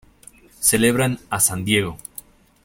Celebran a San Diego.